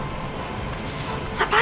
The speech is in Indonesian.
untuk memahami bahwa